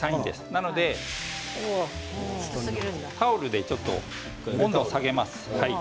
なので、タオルでちょっと温度を下げます。